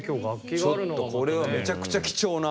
ちょっとこれはめちゃくちゃ貴重な。